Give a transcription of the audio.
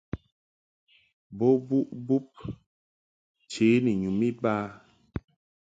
Bo buʼ bub nche ni nyum iba.